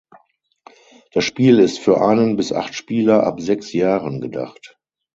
Das Spiel ist für einen bis acht Spieler ab sechs Jahren gedacht.